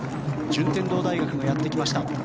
順天堂大学がやってきました。